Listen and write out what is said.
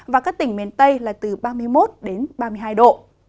và các tỉnh miền tây là từ ba mươi một đến ba mươi hai độ